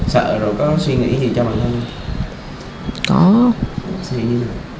sợ rồi có suy nghĩ gì cho bản thân không